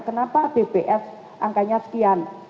kenapa bps angkanya sekian